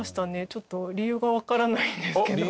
ちょっと理由がわからないんですけど。